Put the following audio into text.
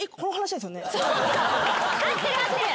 合ってる合ってる！